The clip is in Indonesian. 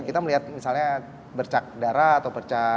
kita melihat misalnya bercak darah atau bercak sidik jari atau bercak jari